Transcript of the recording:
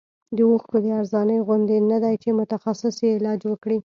د اوښکو د ارزانۍ غوندې نه دی چې متخصص یې علاج وکړي.